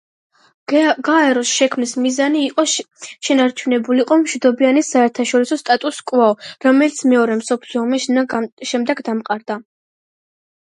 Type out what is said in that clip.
გაეროს შექმნის მიზანი იყო შენარჩუნებულიყო მშვიდობიანი საერთაშორისო სტატუს-კვო, რომელიც მეორე მსოფლიო ომის შემდეგ დამყარდა.